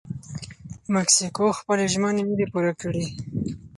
مکسیکو خپلې ژمنې نه دي پوره کړي.